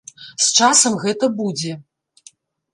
З часам гэта будзе.